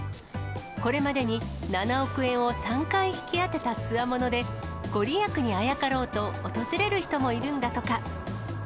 これまでに７億円を３回引き当てたつわもので、御利益にあやかろうと訪れる人もいるんだとか。